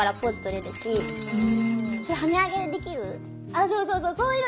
あっそうそうそう。